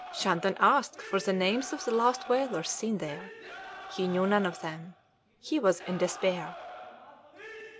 Shandon asked for the names of the last whalers seen there; he knew none of them. He was in despair.